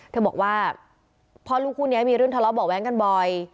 เธอบอกว่าพ่อลูกคู่นี้มีเรื่องทะเลาะเบาะแว้งกันบ่อย